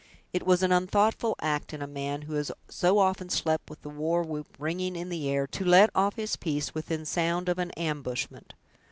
It was an unthoughtful act in a man who has so often slept with the war whoop ringing in the air, to let off his piece within sound of an ambushment!